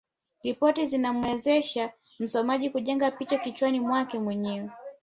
Ripoti zinamwezesha msomaji kujenga picha kichwani mwake mwenyewe